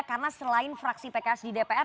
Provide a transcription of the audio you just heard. karena selain fraksi pks di dpr